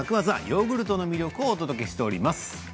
ヨーグルトの魅力をお届けしております。